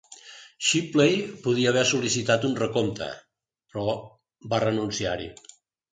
Shipley podria haver sol·licitat un recompte, però va renunciar-hi.